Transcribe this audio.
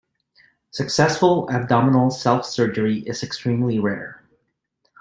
Successful abdominal self-surgery is extremely rare.